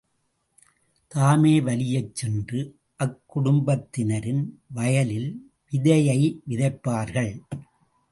தாமே வலியச்சென்று அக்குடும்பத்தினரின் வயலில் விதையை விதைப்பார்கள்.